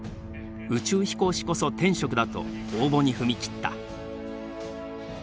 宇宙飛行士こそ天職だと応募に踏み切った。